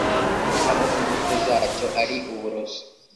aho imbuto zacyo ari uburozi